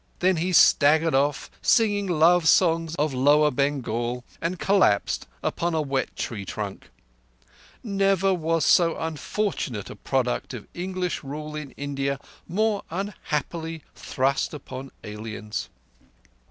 Then he staggered off, singing love songs of Lower Bengal, and collapsed upon a wet tree trunk. Never was so unfortunate a product of English rule in India more unhappily thrust upon aliens.